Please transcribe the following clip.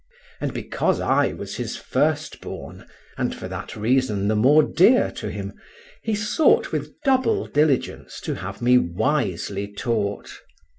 And because I was his first born, and for that reason the more dear to him, he sought with double diligence to have me wisely taught.